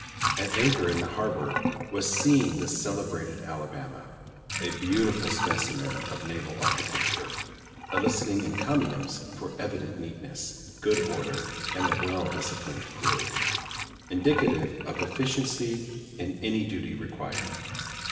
At anchor in the harbor was seen the celebrated Alabama a beautiful specimen of naval architecture, eliciting encomiums for evident neatness, good order, and a well disciplined crew, indicative of efficiency in any duty required.